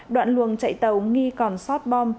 đoạn luồng chạy tàu nghi còn xót bom